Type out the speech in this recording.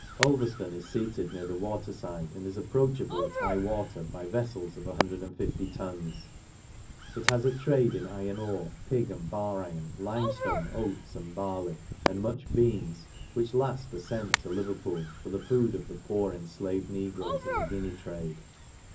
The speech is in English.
' Ulverjion is feated near the water fide, and is ap proachable at high water by veflels of 150 tons. It has a trade in iron ore,, pig and bar iron, limeftone,, oats and barley,, and' much beans, which laft are fent to Leverpcdy for the food of the poor enilaved negroes in the Guinea trade.